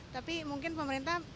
tapi mungkin pemerintah